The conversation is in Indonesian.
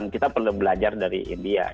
kita perlu belajar dari india